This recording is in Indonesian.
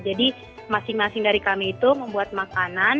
jadi masing masing dari kami itu membuat makanan